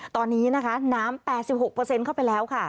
ตอนนี้นะคะน้ำ๘๖เข้าไปแล้วค่ะ